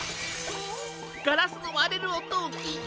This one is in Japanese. ・ガラスのわれるおとをきいて。